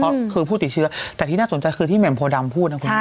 เพราะคือผู้ติดเชื้อแต่ที่น่าสนใจคือที่แหม่มโพดำพูดนะคุณ